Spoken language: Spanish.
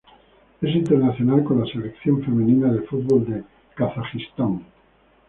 Es internacional con la Selección femenina de fútbol de Kazajistán.